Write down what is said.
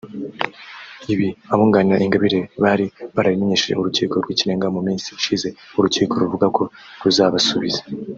Ibi abunganira Ingabire bari barabimenyesheje Urukiko rw’Ikirenga mu minsi ishize urukiko ruvuga ko ruzabasubiza